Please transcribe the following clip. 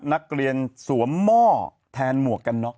นักเรียนสวมหม้อแทนหมวกกันน็ก